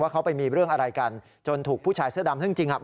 เขาไปมีเรื่องอะไรกันจนถูกผู้ชายเสื้อดำซึ่งจริงครับ